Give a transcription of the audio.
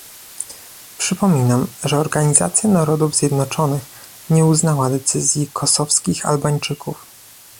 Przypominam, że Organizacja Narodów Zjednoczonych nie uznała decyzji kosowskich Albańczyków